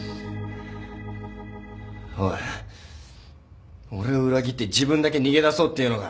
おい俺を裏切って自分だけ逃げ出そうっていうのか？